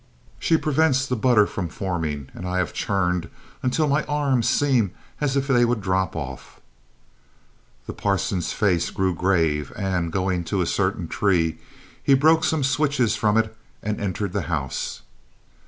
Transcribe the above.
"She prevents the butter from forming, and I have churned until my arms seem as if they would drop off." The parson's face grew grave, and, going to a certain tree, he broke some switches from it and entered the house.